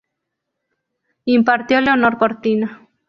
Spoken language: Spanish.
Impartió Leonor Cortina.